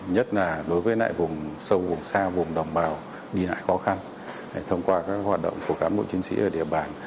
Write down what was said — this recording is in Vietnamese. nhất là đối với lại vùng sâu vùng xa vùng đồng bào đi lại khó khăn thông qua các hoạt động của cán bộ chiến sĩ ở địa bàn